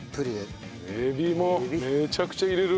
えびもめちゃくちゃ入れる。